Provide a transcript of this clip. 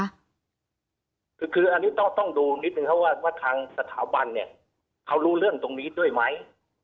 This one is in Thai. คือคือต้องดูนี้นะว่าวัดการสถาบันเนี่ยเค้ารู้เรื่องตรงนี้ด้วยไหม